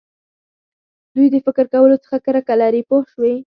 دوی د فکر کولو څخه کرکه لري پوه شوې!.